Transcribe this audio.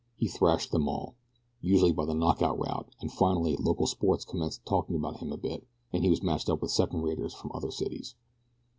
He thrashed them all usually by the knockout route and finally local sports commenced talking about him a bit, and he was matched up with second raters from other cities.